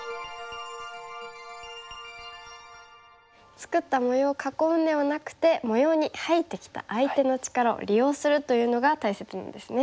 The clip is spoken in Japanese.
作った模様を囲うんではなくて模様に入ってきた相手の力を利用するというのが大切なんですね。